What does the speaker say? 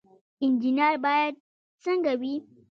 انجنیر باید څنګه وي؟